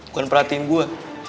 bukan perhatiin gua